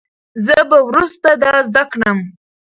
زه به وروسته دا زده کړم.